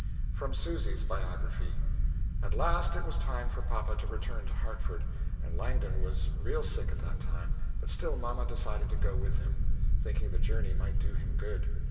From Susy's Biography. At last it was time for papa to return to Hartford, and Langdon was real sick at that time, but still mamma decided to go with him, thinking the journey might do him good.